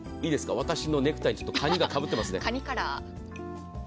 私のネクタイとかにがかぶってますね。